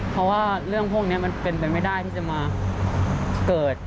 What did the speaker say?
เพราะว่าเรื่องพวกนี้มันเป็นไปไม่ได้ที่จะมาเกิด